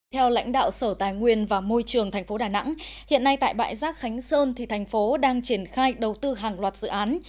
theo lãnh đạo sở tài nguyên và môi trường tp đà nẵng hiện nay tại bãi rác khánh sơn thì thành phố đang triển khai đầu tư hàng loạt dự án